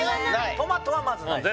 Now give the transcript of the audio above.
トマトはまずないです